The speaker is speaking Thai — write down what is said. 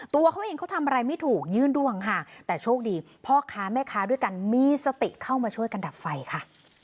ตัวเขาเองเขาทำอะไรไม่ถูกยื่นดวงค่ะแต่โชคดีพ่อค้าแม่ค้าด้วยกันมีสติเข้ามาช่วยกันดับไฟค่ะ